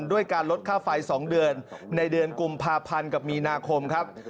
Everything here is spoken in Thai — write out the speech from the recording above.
ด้วยการลดค่าไฟ๒เดือนในเดือนกุมภาพันธ์กับมีนาคมครับ